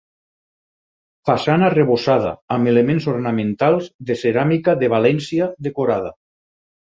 Façana arrebossada, amb elements ornamentals de ceràmica de València decorada.